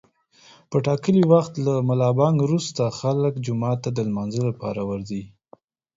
په ټاکلي وخت له ملابانګ روسته خلک جومات ته د لمانځه لپاره ورځي.